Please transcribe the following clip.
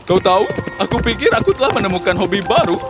kau tahu aku pikir aku telah menemukan hobi baru